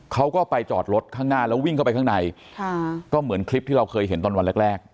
เขาก็ไปจอดรถข้างหน้าแล้ววิ่งเข้าไปข้างในค่ะก็เหมือนคลิปที่เราเคยเห็นตอนวันแรกแรก